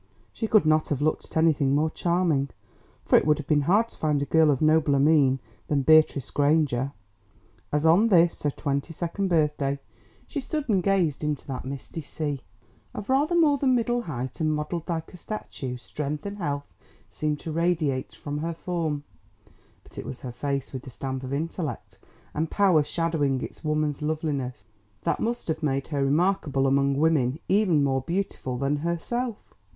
She could not have looked at anything more charming, for it would have been hard to find a girl of nobler mien than Beatrice Granger as on this her twenty second birthday, she stood and gazed into that misty sea. Of rather more than middle height, and modelled like a statue, strength and health seemed to radiate from her form. But it was her face with the stamp of intellect and power shadowing its woman's loveliness that must have made her remarkable among women even more beautiful than herself.